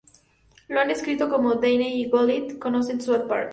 Lo han descrito como ""Davey y" Goliath...conocen "South Park"".